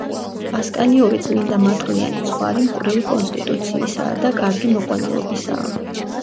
ასკანიური წმინდამატყლიანი ცხვარი მკვრივი კონსტიტუციისა და კარგი მოყვანილობისაა.